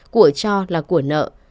của cho là của nợ